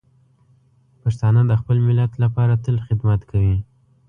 پښتانه د خپل ملت لپاره تل خدمت کوي.